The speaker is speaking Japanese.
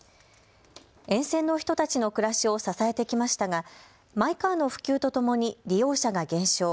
沿線の人たちの暮らしを支えてきましたがマイカーの普及とともに利用者が減少。